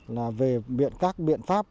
là về các biện pháp